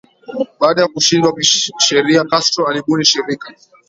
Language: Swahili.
Baada ya kushindwa kisheria Castro alibuni shirika